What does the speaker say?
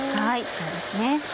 そうですね。